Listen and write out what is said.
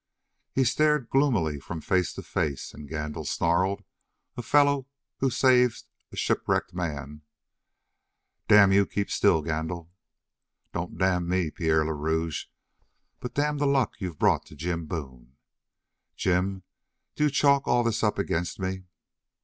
He stared gloomily from face to face, and Gandil snarled: "A fellow who saves a shipwrecked man " "Damn you, keep still, Gandil." "Don't damn me, Pierre le Rouge, but damn the luck you've brought to Jim Boone." "Jim, do you chalk all this up against me?"